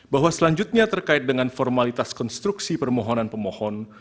bahwa selanjutnya terkait dengan formalitas konstruksi permohonan pemohon